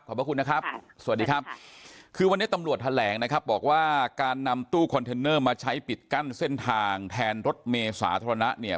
พระคุณนะครับสวัสดีครับคือวันนี้ตำรวจแถลงนะครับบอกว่าการนำตู้คอนเทนเนอร์มาใช้ปิดกั้นเส้นทางแทนรถเมย์สาธารณะเนี่ย